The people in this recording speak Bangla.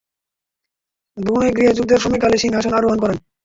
ব্রুনেই গৃহযুদ্ধের সময়কালে সিংহাসন আরোহণ করেন।